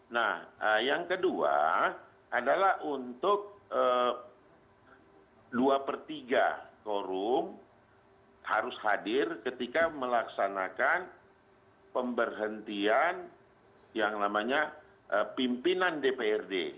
nah yang kedua adalah untuk dua per tiga forum harus hadir ketika melaksanakan pemberhentian yang namanya pimpinan dprd